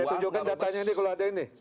saya tunjukkan datanya ini kalau ada ini